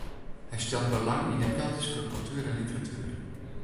Hy stelt belang yn de Keltyske kultuer en literatuer.